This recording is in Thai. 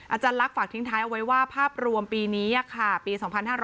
อาจารย์ลักษ์ฝากทิ้งท้ายเอาไว้ว่าภาพรวมปีนี้ปี๒๕๕๙